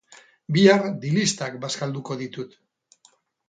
Bihar, dilistak bazkalduko ditut